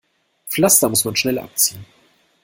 Pflaster muss man schnell abziehen.